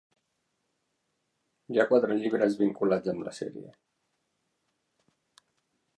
Hi ha quatre llibres vinculats amb la sèrie.